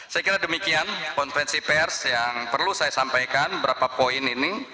saya kira demikian konferensi pers yang perlu saya sampaikan berapa poin ini